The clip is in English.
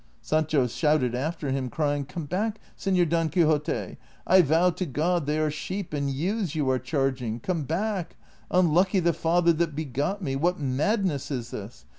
Sancho shouted after him, crying, " Come back, Senor Don Quixote ; I vow to God they are sheep and ewes you are charging ! Come back ! Unlucky the father that begot me ! what madness is this